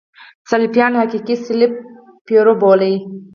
سلفیان حقیقي سلف پیرو بولي.